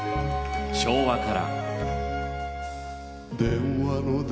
「昭和から」。